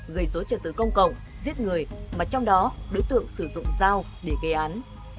gây dối trật tự công cộng giết người mà trong đó đối tượng sử dụng dao để gây án